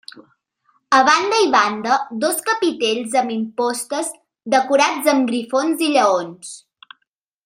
A banda i banda, dos capitells amb impostes, decorats amb grifons i lleons.